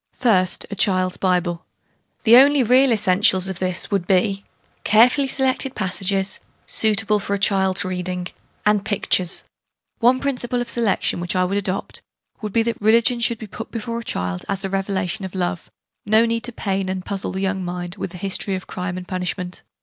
First, a Child's Bible. The only real essentials of this would be, carefully selected passages, suitable for a child's reading and pictures. One principle of selection, which I would adopt, would be that Religion should be put before a child as a revelation of love no need to pain and puzzle the young mind with the history of crime and punishment.